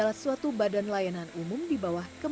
adalah suatu badan layanan umum di bawah kemampuan